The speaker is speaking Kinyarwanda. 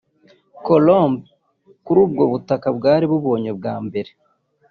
Columbus kuri ubwo butaka bwari bubonywe bwa mbere